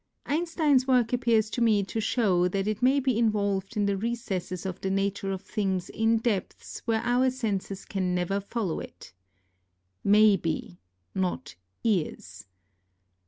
Einstein's work appears to me to show that it may be involved in the recesses of the nature of things in depths where our senses can never follow it. May he, not Is.